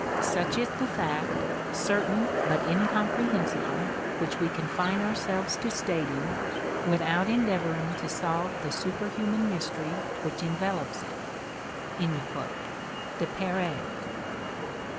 Such is the fact, certain but incomprehensible, which we confine ourselves to stating, without endeavoring to solve the superhuman mystery which envelops it" (Dep6ret).